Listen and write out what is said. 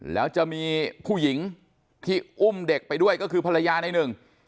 แล้วจะมีผู้หญิงที่อุ้มเด็กไปด้วยก็คือภรรยาในหนึ่ง